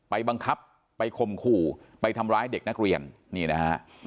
ไปบังคับไปข่มขู่ไปทำร้ายเด็กนักเรียนนี่นะฮะ